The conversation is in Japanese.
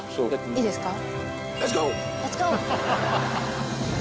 いいですか？